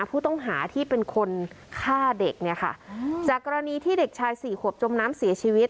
ผู้ต้องหาที่เป็นคนฆ่าเด็กเนี่ยค่ะจากกรณีที่เด็กชายสี่ขวบจมน้ำเสียชีวิต